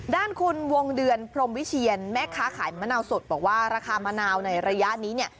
ด้านคุณวงเดือนพรมวิเชียนแม่ค้าขายมะนาวสดบอกว่าราคามะนาวในระยะนี้เนี่ย